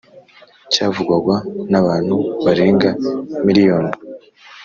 Cyavugwaga n’abantu barenga miriyoni